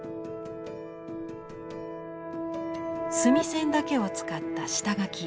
墨線だけを使った下描き。